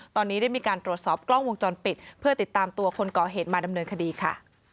ตอนนี้ได้มีการตรวจสอบกล้องวงจรปิดเพื่อติดตามตัวคนก่อเหตุมาดำเนินคดีค่ะ